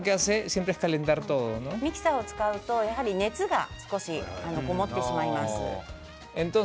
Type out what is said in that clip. ミキサーを使うとやはり熱が少し籠もってしまいます。